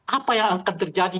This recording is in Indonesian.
apa yang akan terjadi